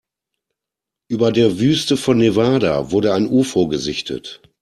Über der Wüste von Nevada wurde ein Ufo gesichtet.